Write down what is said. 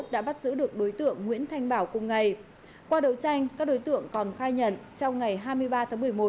đã bắt giữ được đối tượng nguyễn thanh bảo cùng ngày qua đầu tranh các đối tượng còn khai nhận trong ngày hai mươi ba tháng một mươi một